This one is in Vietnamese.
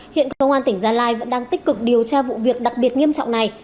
hiện công an tỉnh gia lai vẫn đang tích cực điều tra vụ việc đặc biệt nghiêm trọng này